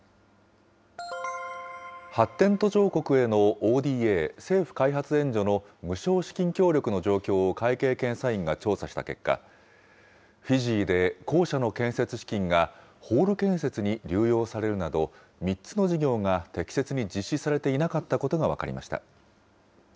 発展途上国へのＯＤＡ・政府開発援助の無償資金協力の状況を会計検査院が調査した結果、フィジーで校舎の建設資金がホール建設に流用されるなど、３つの事業が適切に実施されていなかったことが分かりました。